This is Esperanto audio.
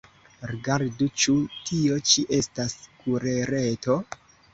Rigardu: ĉu tio ĉi estas kulereto?